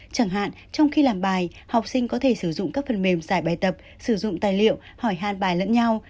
chẳng hạn trong khi làm bài học sinh có thể sử dụng các phần mềm giải bài tập sử dụng tài liệu hỏi hàn bài lẫn nhau